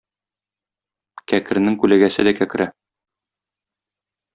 Кәкренең күләгәсе дә кәкре.